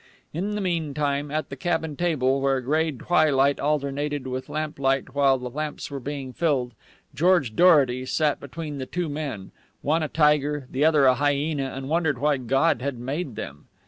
In the meantime, at the cabin table, where gray twilight alternated with lamplight while the lamps were being filled, George Dorety sat between the two men, one a tiger and the other a hyena, and wondered why God had made them.